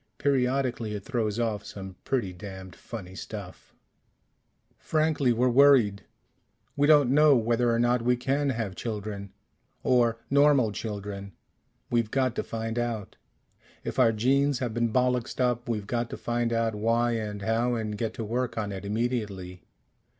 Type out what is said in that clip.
Periodically it throws off some pretty damned funny stuff. "Frankly, we're worried. We don't know whether or not we can have children. Or normal children. We've got to find out. If our genes have been bollixed up, we've got to find out why and how and get to work on it immediately.